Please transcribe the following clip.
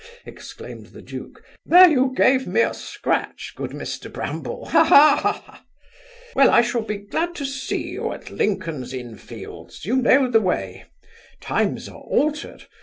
(exclaimed the duke) there you gave me a scratch, good Mr Bramble, ha, ha, ha! Well, I shall be glad to see you at Lincoln's inn fields You know the way Times are altered.